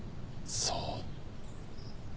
そう。